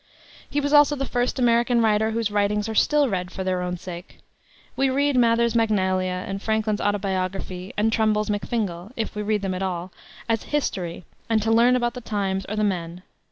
He was also the first American writer whose writings are still read for their own sake. We read Mather's Magnalia, and Franklin's Autobiography, and Trumbull's McFingal if we read them at all as history, and to learn about the times or the men.